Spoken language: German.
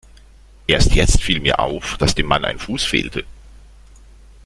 Erst jetzt fiel mir auf, dass dem Mann ein Fuß fehlte.